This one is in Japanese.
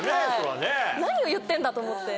何を言ってんだと思って。